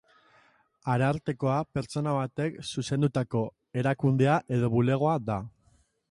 Arartekoa pertsona batek zuzendutako erakundea edo bulegoa da.